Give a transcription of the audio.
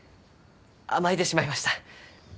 甘えてしまいました。